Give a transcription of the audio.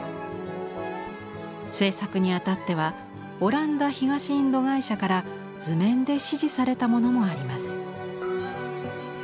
制作にあたってはオランダ東インド会社から図面で指示されたものもあります。